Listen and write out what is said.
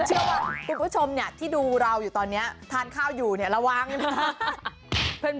เชื่อว่าคุณผู้ชมที่ดูเราอยู่ตอนนี้ทานข้าวอยู่ระวังอย่างนี้